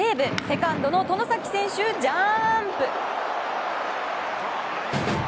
セカンドの外崎選手ジャンプ！